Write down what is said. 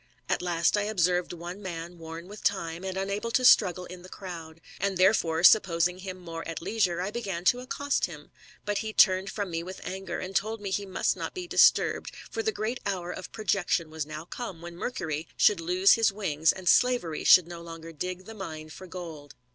At last I observed one man worn with time, and unable to struggle in the crowd ; and therefore, supposing him more at leisure, I began to accost him i but he turned from me with anger, and told me he must not be disturbed, for the great hour of projection was now come when Mercury should lose his wings, and slavery should no longer dig the mine for gold.